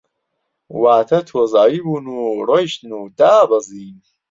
واتە تۆزاوی بوون و ڕۆیشتن و دابەزین